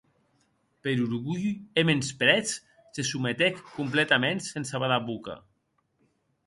Per orgulh e mensprètz, se sometec completaments, sense badar boca.